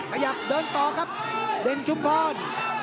ขยับเดินต่อครับเด่นชุมพร